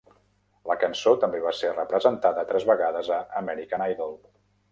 La cançó també va ser representada tres vegades a "American Idol".